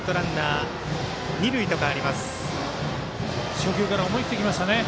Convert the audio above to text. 初球から思い切っていきましたね。